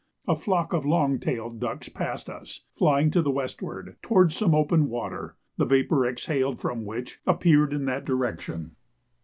A flock of long tailed ducks passed us, flying to the westward, towards some open water, the vapour exhaled from which appeared in that direction.